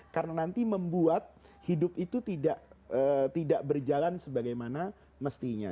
karena nanti membuat hidup itu tidak berjalan sebagaimana mestinya